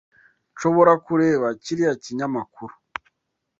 Nshobora kureba kiriya kinyamakuru?